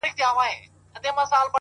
په مټي چي وكړه ژړا پر ځـنـگانــه;